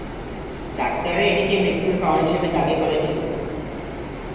ডাক্তাররা এটিকে মৃত্যুর কারণ হিসেবে দাবী করেছিল।